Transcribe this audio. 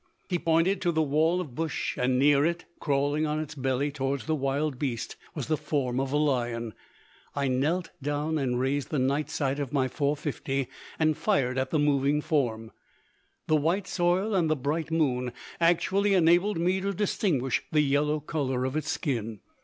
He pointed to the wall of bush, and near it, crawling on its belly toward the wildbeest, was the form of a lion. I knelt down and raised the night sight of my .450, and fired at the moving form. The white soil and the bright moon actually enabled me to distinguish the yellow color of its skin.